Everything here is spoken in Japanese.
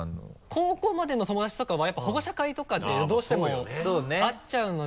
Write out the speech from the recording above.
高校までの友達とかはやっぱ保護者会とかでどうしても会っちゃうので。